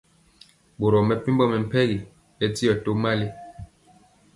Boro mepempɔ mɛmpegi bɛndiɔ tomali.